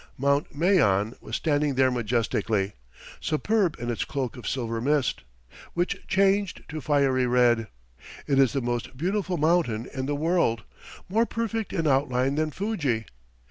Mount Mayon was standing there majestically, superb in its cloak of silver mist, which changed to fiery red. It is the most beautiful mountain in the world, more perfect in outline than Fuji.